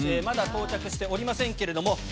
まだ到着しておりませんけれども。